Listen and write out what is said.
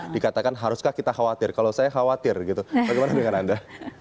dikatakan haruskah kita khawatir kalau saya khawatir gitu bagaimana dengan anda